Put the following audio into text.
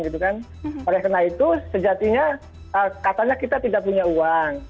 oleh karena itu sejatinya katanya kita tidak punya uang